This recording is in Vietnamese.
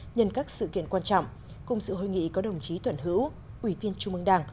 nhân các sự kiện quan trọng cùng sự hội nghị có đồng chí thuận hữu ủy viên trung ương đảng